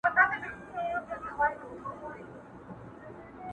سندرې خلک خوشحالوي